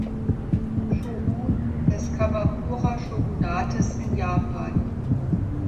Shogun des Kamakura-Shogunates in Japan.